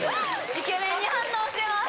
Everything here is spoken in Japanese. イケメンに反応してます。